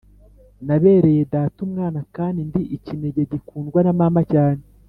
nabereye data umwana, kandi ndi ikinege gikundwa na mama cyane